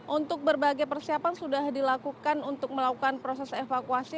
untuk berbagai persiapan sudah dilakukan untuk melakukan proses evakuasi